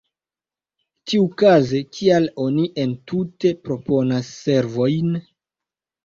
Tiukaze, kial oni entute proponas servojn?